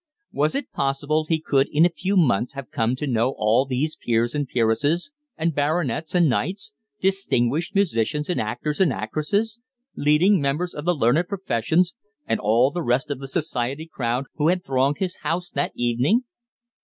Was it possible he could in a few months have come to know all these peers and peeresses and baronets and knights, distinguished musicians and actors and actresses, leading members of the learned professions, and all the rest of the Society crowd who had thronged his house that evening?